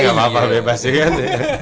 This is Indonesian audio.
gak apa apa bebas ya kan